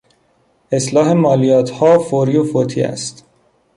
اصلاح مالیاتها فوری و فوتی است.